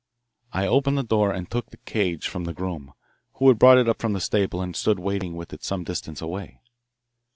I opened the door and took the cage from the groom, who had brought it up from the stable and stood waiting with it some distance away.